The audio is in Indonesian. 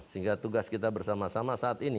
sehingga tugas kita bersama sama saat ini